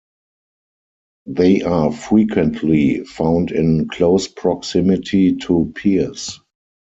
They are frequently found in close proximity to piers.